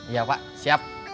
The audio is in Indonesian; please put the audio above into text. ya pak siap